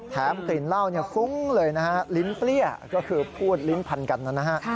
กลิ่นเหล้าฟุ้งเลยนะฮะลิ้นเปรี้ยก็คือพูดลิ้นพันกันนะฮะ